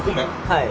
はい。